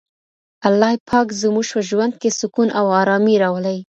الله پاک زموږ په ژوند کي سکون او ارامي راولي.